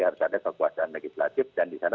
harus ada kekuasaan legislatif dan di sana